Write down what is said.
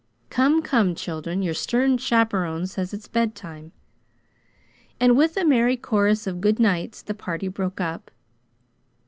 "Come, come, children, your stern chaperon says it's bedtime!" And with a merry chorus of good nights the party broke up.